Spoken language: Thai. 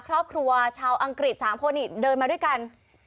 ครอบครัวชาวอังกฤษ๓คนเดินมาด้วยกัน